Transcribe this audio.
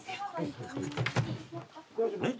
えっ？